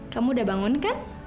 kamu udah bangun kan